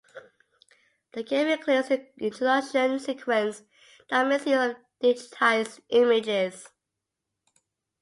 The game includes an introduction sequence that makes use of digitized images.